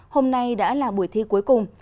hôm nay đã là buổi thi cuối cùng